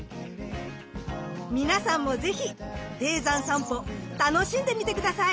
皆さんも是非低山さんぽ楽しんでみて下さい！